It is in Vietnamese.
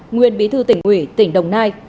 nguyên bí thư tỉnh uỷ tỉnh đồng nai